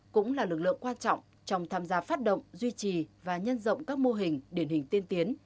cũng là lực lượng quan trọng trong tham gia phát động duy trì và nhân rộng các mô hình điển hình tiên tiến